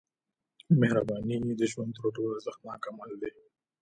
• مهرباني د ژوند تر ټولو ارزښتناک عمل دی.